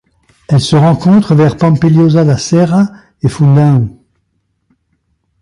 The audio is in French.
Elle se rencontre vers Pampilhosa da Serra et Fundão.